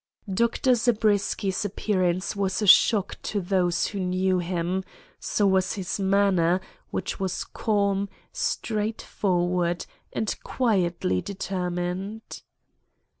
Dr. Zabriskie's appearance was a shock to those who knew him; so was his manner, which was calm, straightforward, and quietly determined.